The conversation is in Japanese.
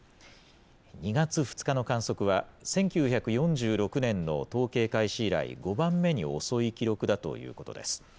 ２月２日の観測は１９４６年の統計開始以来、５番目に遅い記録だということです。